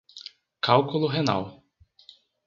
Cálculo renal